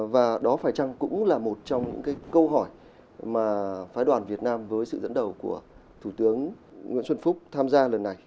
và đó phải chăng cũng là một trong những câu hỏi mà phái đoàn việt nam với sự dẫn đầu của thủ tướng nguyễn xuân phúc tham gia lần này